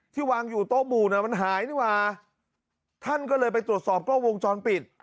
วางอยู่โต๊ะหมู่น่ะมันหายนี่ว่าท่านก็เลยไปตรวจสอบกล้องวงจรปิด